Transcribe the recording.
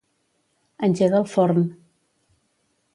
Engega el forn.